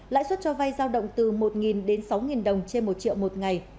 lãi suất cho vay giao động từ một đến sáu đồng trên một triệu một ngày